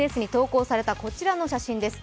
ＳＮＳに投稿されたこちらの写真です。